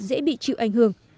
dễ bị chịu ảnh hưởng